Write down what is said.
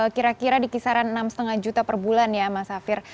kira kira dikisaran enam lima juta per bulan ya mas afiq